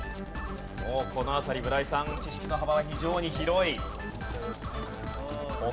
もうこの辺り村井さん知識の幅は非常に広い。